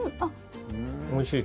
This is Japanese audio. おいしい。